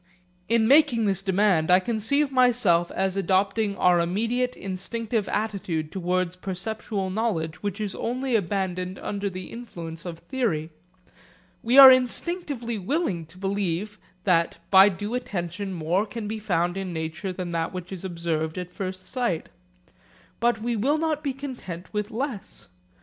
In making this demand I conceive myself as adopting our immediate instinctive attitude towards perceptual knowledge which is only abandoned under the influence of theory. We are instinctively willing to believe that by due attention, more can be found in nature than that which is observed at first sight. But we will not be content with less.